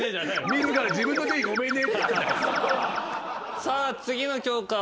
自ら自分の手に「ごめんね」